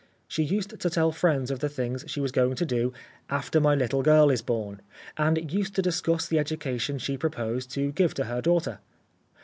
She used to tell friends of the things she was going to do " after my little girl is born/' and used to discuss the education she proposed to give to her daughter.